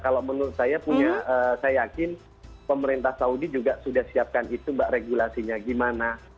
kalau menurut saya punya saya yakin pemerintah saudi juga sudah siapkan itu mbak regulasinya gimana